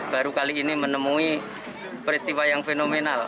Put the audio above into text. baru kali ini menemui peristiwa yang fenomenal